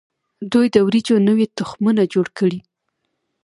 دوی د وریجو نوي تخمونه جوړ کړي.